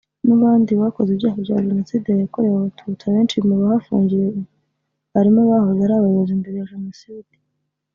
n’abandi bakoze ibyaha bya Jenocide yakorewe abatutsi abenshi mu bahafungiye barimo abahoze ari abayobozi mbere ya Jenoside